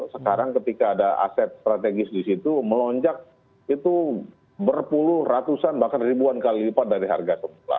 sekarang ketika ada aset strategis di situ melonjak itu berpuluh ratusan bahkan ribuan kali lipat dari harga semula